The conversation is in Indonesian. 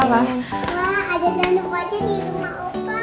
ada tanu pojit di rumah opa